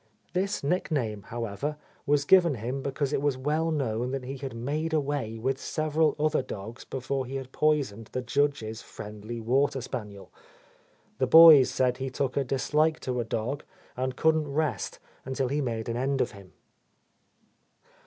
This nickname, however, was given him because it was well known that he had "made away" with several other dogs before he had poisoned the Judge's friendly water spaniel. The boys said he took a dislike to a dog and couldn't rest until he made an end of him.